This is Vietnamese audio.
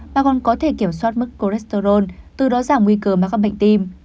mà còn có thể kiểm soát mức cholesterol từ đó giảm nguy cơ mắc các bệnh tim